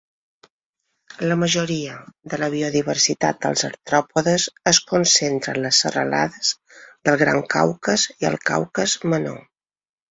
La majoria de la biodiversitat dels artròpodes es concentra en les serralades del Gran Caucas i el Caucas Menor.